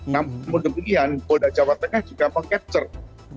namun kemudian boda jawa tengah juga meng capture